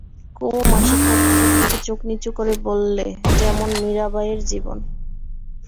কুমু মাসিক পত্রটার দিকে চোখ নিচু করে বললে, যেমন মীরাবাইএর জীবন।